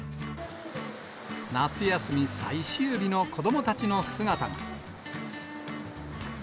夏休み最終日の子どもたちの姿が。